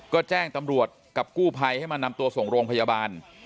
ก็แจ้งตำรวจกับกู้ภัยให้มานำตัวส่งโรงพยาบาล